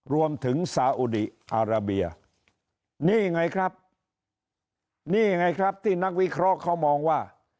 รวมถึงซาอุดีอาราเบียนี่ไงครับนี่ไงครับที่นักวิเคราะห์เขามองว่า